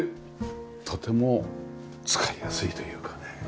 とても使いやすいというかね。